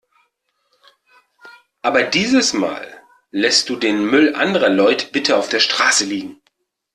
Aber diesmal lässt du den Müll anderer Leut bitte auf der Straße liegen.